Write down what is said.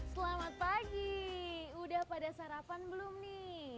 selamat pagi udah pada sarapan belum nih